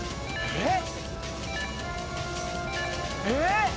えっ。